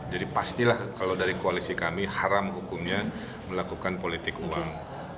jadi pastilah kalau dari koalisi kami haram hukumnya melakukan politik uang